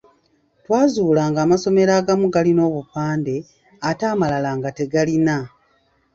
Twazuula ng'amasomero agamu galina obupande ate amalala nga tegalina.